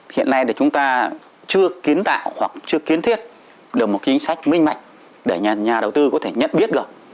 hiện nay chúng ta chưa kiến tạo hoặc chưa kiến thiết được một kinh sách minh mạnh để nhà đầu tư có thể nhận biết được